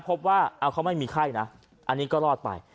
พบว่าเขาไม่มีไข้นะอันนี้ก็รอดไป